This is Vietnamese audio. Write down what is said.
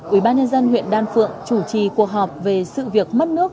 ubnd huyện đan phượng chủ trì cuộc họp về sự việc mất nước